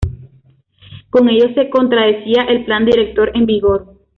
Con ello se contradecía el Plan Director en vigor.